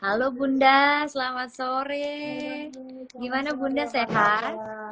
halo bunda selamat sore gimana bunda sehat